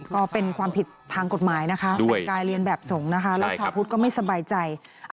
ก็เป็นความผิดทางกฎหมายนะคะเป็นการเรียนแบบสงฆ์นะคะแล้วชาวพุทธก็ไม่สบายใจ